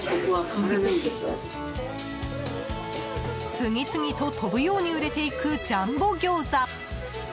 次々と飛ぶように売れていくジャンボギョーザ。